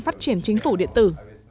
phát triển chính phủ điện tử